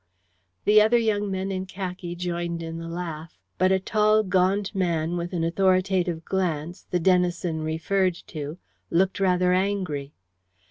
The other young men in khaki joined in the laugh, but a tall gaunt man with an authoritative glance, the Denison referred to, looked rather angry.